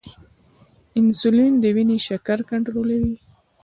انسولین د وینې شکر کنټرولوي